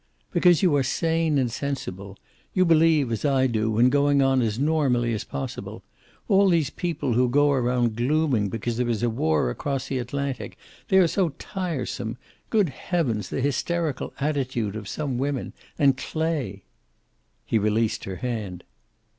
"Because you are sane and sensible. You believe, as I do, in going on as normally as possible. All these people who go around glooming because there is a war across the Atlantic! They are so tiresome. Good heavens, the hysterical attitude of some women! And Clay!" He released her hand.